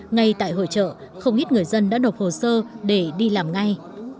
ngay tại hội trợ không ít người dân đã đọc hồ sơ để đi làm ngay